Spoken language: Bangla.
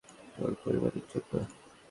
তোর পরিবারের জন্য।